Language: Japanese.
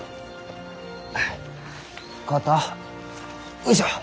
よいしょ。